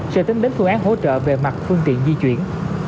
sẽ tính đến phương án hỗ trợ về mặt phương tiện di chuyển